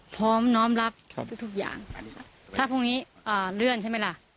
พร้อมน้อมรับทุกอย่างถ้าพรุ่งนี้อ่าเลื่อนใช่ไหมล่ะ